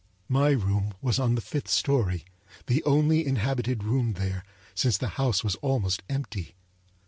My room was on the fifth story; the only inhabited room there, since the house was almost empty.